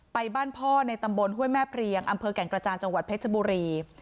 ไปบ้านพ่อในตำบลห้วยแม่เพลียงอำเภอแก่งกระจานจังหวัดเพชรบุรี